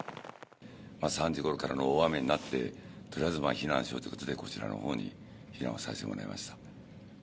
３時ごろからの大雨になって、とりあえず避難しようということで、こちらのほうに避難をさせてもらいました。